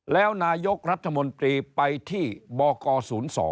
แล้วนายกรัฐมนตรีไปที่บก๐๒